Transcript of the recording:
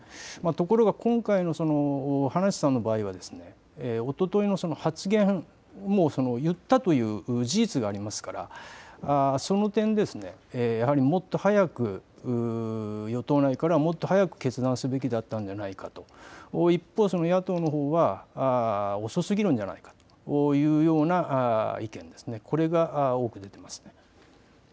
ところが今回の葉梨さんの場合はおとといの発言、言ったという事実がありますからその点、もっと早く、与党内からもっと早く決断すべきだったのではないかと、一方、野党のほうは遅すぎるんじゃないかというような意見、これが多く出ています。